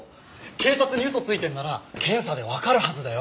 警察に嘘ついてるなら検査でわかるはずだよ。